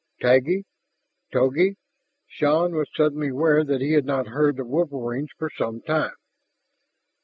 "Taggi? Togi?" Shann was suddenly aware that he had not heard the wolverines for some time.